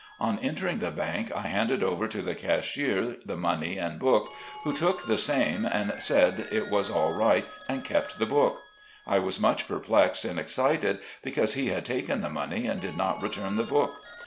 On entering the bank I handed over to the Cashier the money and book, who took the same, and said that it was all right, and kept the book. I was much perplexed and excited because he had taken the money and did not return the book.